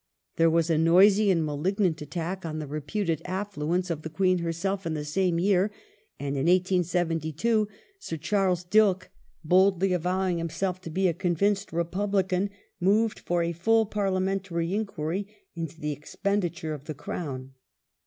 There was a noisy and malignant attack on the reputed affluence of the Queen hei self in the same year, and in 1872 Sir Charles Dilke, boldly avowing himself to be a convinced Republican, moved for a full parliamentary inquiry into the expenditure of the Crown.